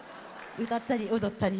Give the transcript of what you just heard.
歌ったり踊ったり。